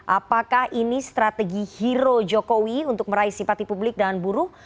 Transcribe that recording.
apakah ini strategi hero jokowi untuk meraih simpati publik dan buruh